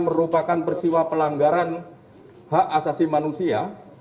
merupakan persiwa pelanggaran hak asasi manusia